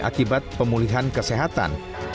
akibat pemulihan kesehatan